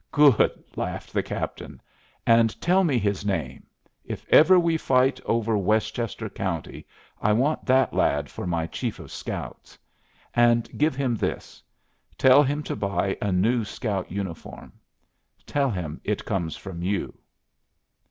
"Good!" laughed the Captain. "And tell me his name. If ever we fight over Westchester County, I want that lad for my chief of scouts. And give him this. Tell him to buy a new scout uniform. Tell him it comes from you."